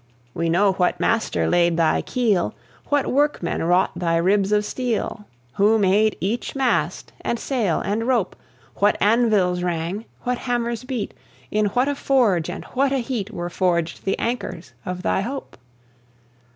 We know what Master laid thy keel, What Workmen wrought thy ribs of steel, Who made each mast, and sail, and rope; What anvils rang, what hammers beat, In what a forge and what a heat Were forged the anchors of thy hope!